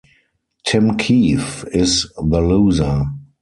Tim Keefe is the loser.